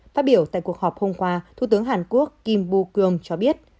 phát biểu tại cuộc họp hôm qua thủ tướng hàn quốc kim bukyong cho biết